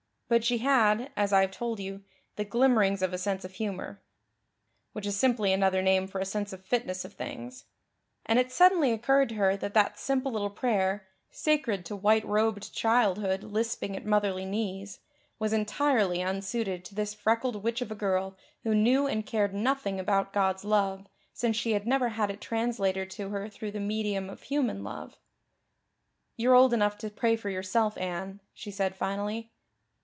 But she had, as I have told you, the glimmerings of a sense of humor which is simply another name for a sense of fitness of things; and it suddenly occurred to her that that simple little prayer, sacred to white robed childhood lisping at motherly knees, was entirely unsuited to this freckled witch of a girl who knew and cared nothing about God's love, since she had never had it translated to her through the medium of human love. "You're old enough to pray for yourself, Anne," she said finally.